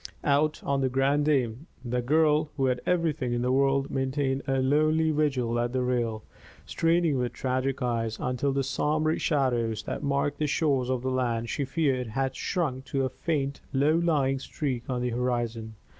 Out on The Grande Dame the girl who had everything in the world maintained a lonely vigil at the rail, straining with tragic eyes until the sombre shadows that marked the shores of the land she feared had shrunk to a faint, low lying streak on the horizon.